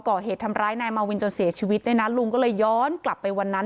ก่อเหตุทำร้ายนายมาวินจนเสียชีวิตเนี่ยนะลุงก็เลยย้อนกลับไปวันนั้น